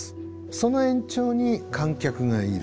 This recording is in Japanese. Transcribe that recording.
その延長に観客がいる。